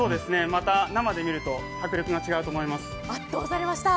生で見ると迫力が違うと思います。